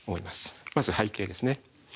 まず背景ですね。